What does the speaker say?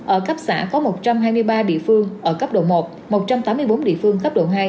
ở cấp xã có một trăm hai mươi ba địa phương ở cấp độ một một trăm tám mươi bốn địa phương cấp độ hai